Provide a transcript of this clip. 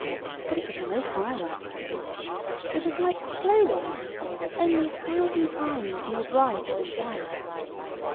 But it was no firework fusee. It was like glow worms, only a thousand times more bright and white.